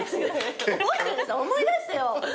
覚えてるでしょ思い出してよ。